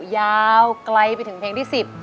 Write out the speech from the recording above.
ยาวไกลไปถึงเพลงที่๑๐